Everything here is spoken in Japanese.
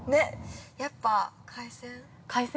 ◆やっぱ海鮮？